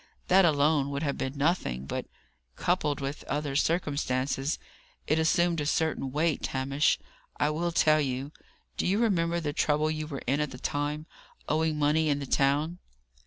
That alone would have been nothing; but, coupled with other circumstances, it assumed a certain weight. Hamish, I will tell you. Do you remember the trouble you were in at the time owing money in the town?"